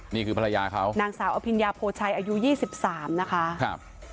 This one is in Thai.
นี่คือภรรยาเขานางสาวอภิญญาโพชัยอายุ๒๓นะคะครับ